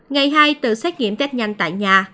ngày hai tự xét nghiệm test nhanh tại nhà